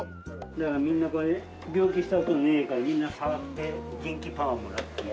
だからみんなこれ病気した事ねえからみんな触って元気パワーもらってる。